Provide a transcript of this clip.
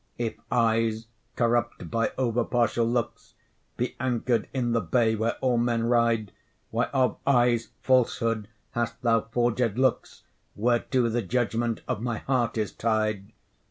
If eyes, corrupt by over partial looks, Be anchor'd in the bay where all men ride, Why of eyes' falsehood hast thou forged hooks, Whereto the judgment of my heart is tied?